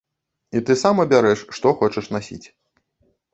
І ты сам абярэш, што хочаш насіць.